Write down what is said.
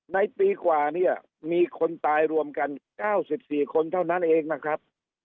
ในปีกว่าเนี่ยมีคนตายรวมกัน๙๔คนเท่านั้นเองนะครับ